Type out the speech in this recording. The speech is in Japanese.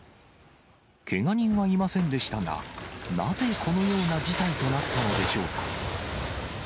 けが人はいませんでしたが、なぜ、このような事態となったのでしょうか。